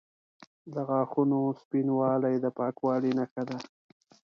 د غاښونو سپینوالی د پاکوالي نښه ده.